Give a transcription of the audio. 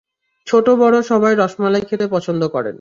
ছোট-বড় সবাই রসমালাই খেতে পছন্দ করেন।